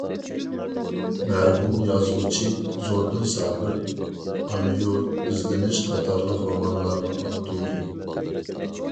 مەرھۇم يازغۇچى زوردۇن سابىر — «ئانا يۇرت» ، «ئىزدىنىش» قاتارلىق رومانلارنىڭ ئاپتورى.